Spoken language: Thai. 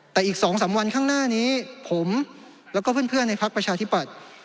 แต่อีก๒๓วันข้างหน้านี้ผมแล้วก็เพื่อนในพักประชาธิปัตย์